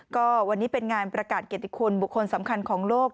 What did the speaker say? ก็วันนี้เป็นงานประกาศเกียรติคุณบุคคลสำคัญของโลก